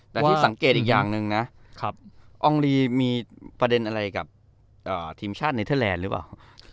แต่ที่สังเกตอีกอย่างหนึ่งนะอองลีมีประเด็นอะไรกับทีมชาติเนเทอร์แลนด์หรือเปล่า